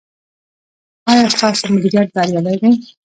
ایا ستاسو مدیریت بریالی دی؟